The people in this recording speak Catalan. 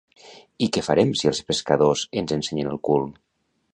I què farem si els pescadors ens ensenyen el cul?